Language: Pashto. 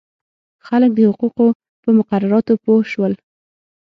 خلک د حقوقو په مقرراتو پوه شول.